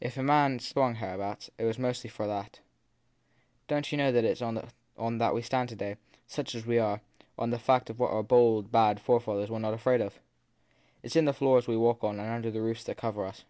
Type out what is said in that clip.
If a man swung, hereabouts, it was mostly for that. Don t you know it s on that we stand here to day, such as we are 011 the fact of what our bold, bad forefathers were not afraid of ? It s in the floors we walk on and under the roofs that cover us.